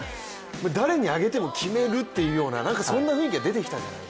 誰に上げても決めるというような、そんな雰囲気が出てきた。